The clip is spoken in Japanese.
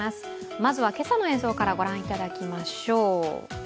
まずは今朝の映像から御覧いただきましょう。